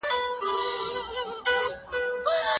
آیا سپین زر تر مسو ارزښت لري؟